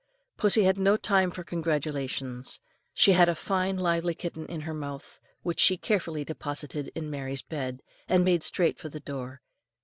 Pussy had no time for congratulations, she had a fine lively kitten in her mouth, which she carefully deposited in Mary's bed, and made straight for the door again.